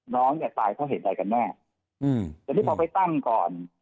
น้องเนี่ยตายเพราะเหตุใดกันแน่อืมแต่นี่พอไปตั้งก่อน